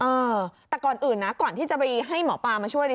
เออแต่ก่อนอื่นนะก่อนที่จะไปให้หมอปลามาช่วย